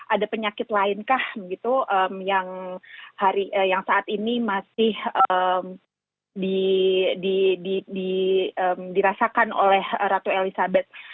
ada penyakit lainkah yang saat ini masih dirasakan oleh ratu elizabeth